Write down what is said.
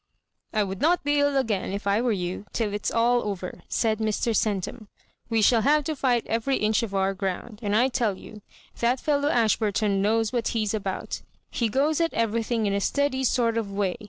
" I would not be ill again, if I were you, till it's all over," said Mr. Centum. " We shall have to fight every inch of our ground; and I tell you that fellow Ashburton knows what he's about — he goes at everything in a steady sort of way.